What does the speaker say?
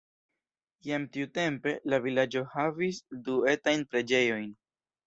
Jam tiutempe, la vilaĝo havis du etajn preĝejojn.